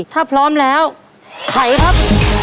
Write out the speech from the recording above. ถ้าพร้อมแล้วไขครับ